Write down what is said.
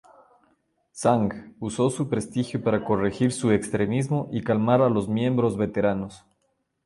Zhang uso su prestigio para corregir su extremismo y calmar a los miembros veteranos.